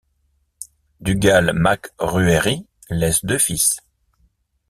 Dugald MacRuairi laisse deux fils.